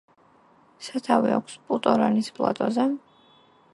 სათავე აქვს პუტორანის პლატოზე.